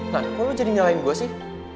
nah kok lo jadi nyalain gue sih